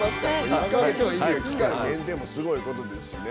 １か月期間限定もすごいことですしね。